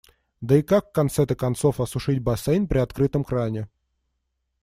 Да и как в конце-то концов осушить бассейн при открытом кране.